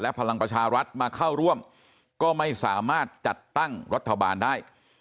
พลังประชารัฐมาเข้าร่วมก็ไม่สามารถจัดตั้งรัฐบาลได้